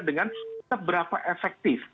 dengan seberapa efektif